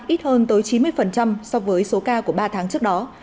ít hơn tới chín mươi so với số ca của ba tháng trước đó